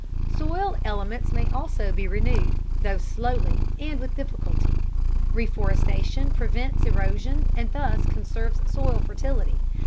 Soil elements may also be renewed, though slowly and with difficulty. Reforestation prevents erosion and thus conserves soil fertility.